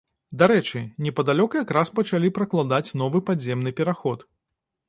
Дарэчы, непадалёк якраз пачалі пракладаць новы падземны пераход.